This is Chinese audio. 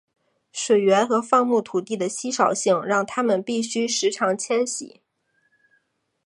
水源和放牧土地的稀少性让他们必须时常迁徙。